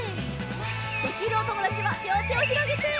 できるおともだちはりょうてをひろげて！